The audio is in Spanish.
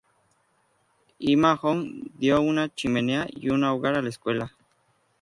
Ima Hogg dio una chimenea y una hogar a la escuela.